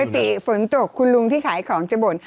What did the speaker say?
ติฝนตกคุณลุงที่ขายของจะบ่น